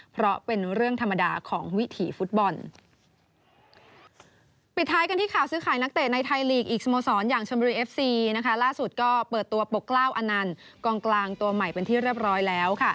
เพราะเป็นเรื่องธรรมดาของวิถีฟุตบอล